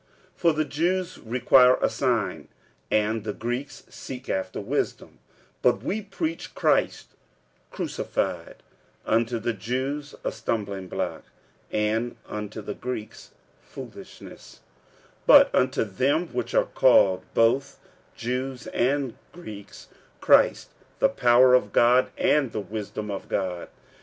46:001:022 For the Jews require a sign, and the Greeks seek after wisdom: 46:001:023 But we preach Christ crucified, unto the Jews a stumblingblock, and unto the Greeks foolishness; 46:001:024 But unto them which are called, both Jews and Greeks, Christ the power of God, and the wisdom of God.